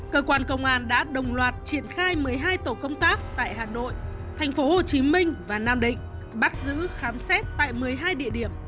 cơ quan công an đã đồng loạt triển khai một mươi hai tổ công tác tại hà nội tp hcm và nam định bắt giữ khám xét tại một mươi hai địa điểm